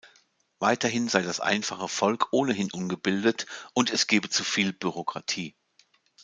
Weiterhin sei das einfache Volk ohnehin ungebildet und es gebe zu viel Bürokratie.